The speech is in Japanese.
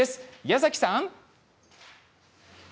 矢崎さん。